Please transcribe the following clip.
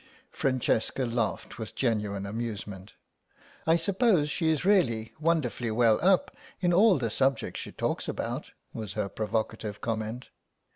Francesca laughed with genuine amusement. "I suppose she is really wonderfully well up in all the subjects she talks about," was her provocative comment.